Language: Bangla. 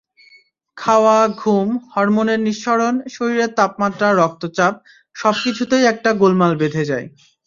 খাওয়া, ঘুম, হরমোনের নিঃসরণ, শরীরের তাপমাত্রা, রক্তচাপ— সবকিছুতেই একটা গোলমাল বেধে যায়।